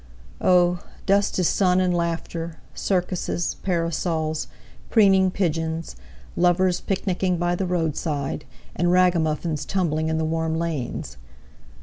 Oh, dust is sun and laughter, Circuses, parasols, preening pigeons, Lovers picnicking by the roadside, And ragamuffins tumbling in the warm lanes.